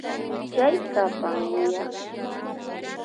Chaykapan yuyaku